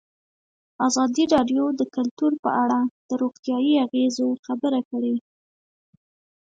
ازادي راډیو د کلتور په اړه د روغتیایي اغېزو خبره کړې.